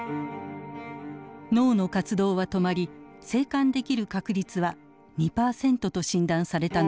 脳の活動は止まり生還できる確率は２％と診断されたのです。